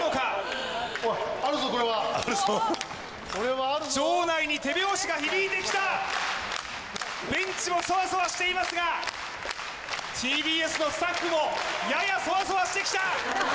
これはこれはあるぞ場内に手拍子が響いてきたベンチもそわそわしていますがＴＢＳのスタッフもややそわそわしてきた！